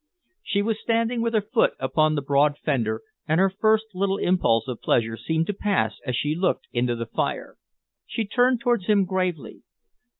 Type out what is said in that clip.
She was standing with her foot upon the broad fender, and her first little impulse of pleasure seemed to pass as she looked into the fire. She turned towards him gravely.